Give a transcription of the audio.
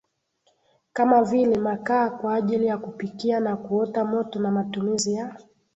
kama vile makaa kwa ajili ya kupikia na kuota moto na matumizi ya